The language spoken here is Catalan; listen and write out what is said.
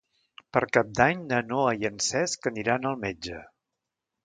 Per Cap d'Any na Noa i en Cesc aniran al metge.